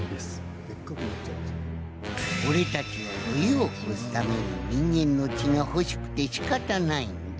俺たちは冬を越すために人間の血が欲しくてしかたないんだ。